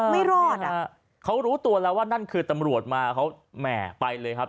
ไม่รอดอ่ะเขารู้ตัวแล้วว่านั่นคือตำรวจมาเขาแหม่ไปเลยครับ